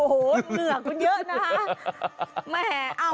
เหงื่อก็เยอะนะฮะ